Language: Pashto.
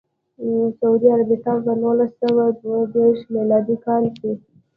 سعودي عربستان په نولس سوه دوه دیرش میلادي کال کې.